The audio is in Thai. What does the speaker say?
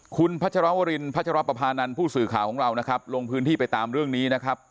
คุณพัชรวรินพัชรปภานันทร์ผู้สื่อข่าวของเรานะครับลงพื้นที่ไปตามเรื่องนี้นะครับ